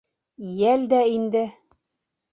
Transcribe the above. Йәл дә инде.